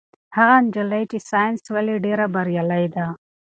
هغه نجلۍ چې ساینس لولي ډېره بریالۍ ده.